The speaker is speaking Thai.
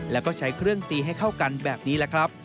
แล้วก็ใช้เครื่องตีให้เข้ากันแบบนี้แหละครับ